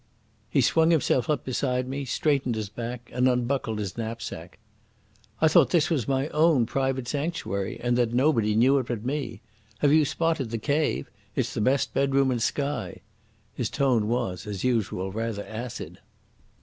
He swung himself up beside me, straightened his back and unbuckled his knapsack. "I thought this was my own private sanctuary, and that nobody knew it but me. Have you spotted the cave? It's the best bedroom in Skye." His tone was, as usual, rather acid.